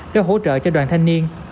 để hỗ trợ cho đoàn thanh niên